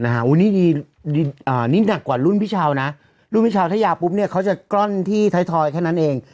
นี่นี่หนักกว่ารุ่นพี่ชาวนะรุ่นพี่ชาวถ้ายาวปุ๊บเนี่ยเขาจะกล้อนที่ไทยทอยแค่นั้นเอง